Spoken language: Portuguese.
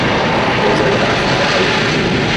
Empresa Gráfica da Bahia